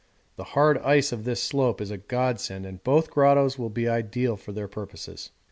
The hard ice of this slope is a godsend and both grottoes will be ideal for their purposes.